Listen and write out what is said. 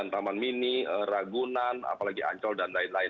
taman mini ragunan apalagi ancol dan lain lain